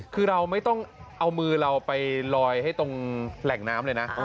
คือเราไม่ต้องเอามือเราไปลอยให้ตรงแหล่งน้ำเลยนะ